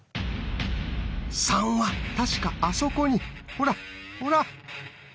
「３」は確かあそこにほらほら！